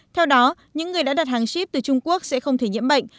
theo đó những người đã đặt hàng ship từ trung quốc sẽ không thể nhiễm bệnh